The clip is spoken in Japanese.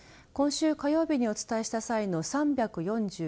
今週火曜日にお伝えした際の３４９．１７